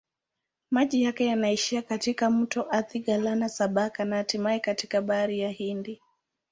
Maji yake yanaishia katika mto Athi-Galana-Sabaki na hatimaye katika Bahari ya Hindi.